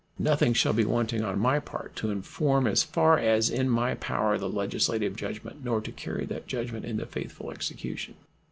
Nothing shall be wanting on my part to inform as far as in my power the legislative judgment, nor to carry that judgment into faithful execution.